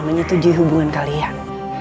menyetujui hubungan kalian